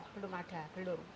belum ada belum